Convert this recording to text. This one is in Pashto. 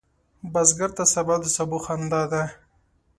بزګر ته سبا د سبو خندا ده